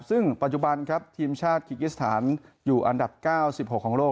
ซึ่งปัจจุบันครับทีมชาติคิกิสถานอยู่อันดับ๙๖ของโลก